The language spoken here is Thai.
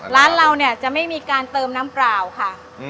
ร้านเราเนี่ยจะไม่มีการเติมน้ำเปล่าค่ะ